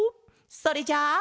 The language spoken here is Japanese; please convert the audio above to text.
それじゃあ。